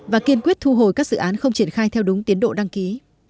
và kiên quyết thu hồi các dự án không triển khai theo đúng tiến độ đăng ký